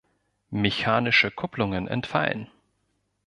Mechanische Kupplungen entfallen.